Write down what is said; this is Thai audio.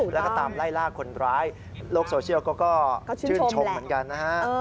แล้วก็ตามไล่ล่าคนร้ายโลกโซเชียลก็ชื่นชมเหมือนกันนะฮะ